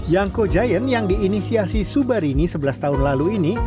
yangko giant yang diinisiasi subarini sebelas tahun lalu ini